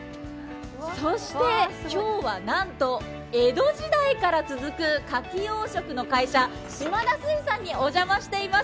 そして今日はなんと、江戸時代から続くかき養殖の会社、島田水産にお邪魔しています。